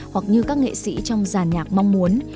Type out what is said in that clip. hoặc như các nghệ sĩ trong giàn nhạc mong muốn